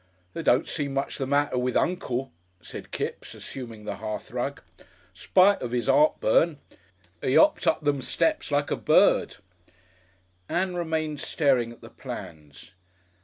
"There don't seem much the matter with uncle," said Kipps, assuming the hearthrug, "spite of 'is 'eartburn. 'E 'opped up them steps like a bird." Ann remained staring at the plans.